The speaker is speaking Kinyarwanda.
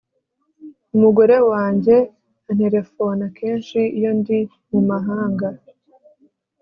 Umugore wanjye anterefona kenshi iyo ndi mumahanga